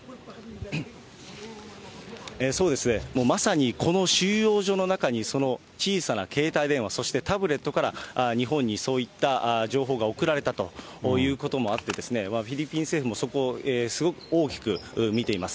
そうですね、まさにこの収容所の中に、その小さな携帯電話、そしてタブレットから、日本にそういった情報が送られたということもあって、フィリピン政府もそこをすごく大きく見ています。